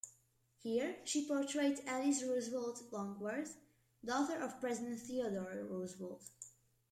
Here she portrayed Alice Roosevelt Longworth, daughter of President Theodore Roosevelt.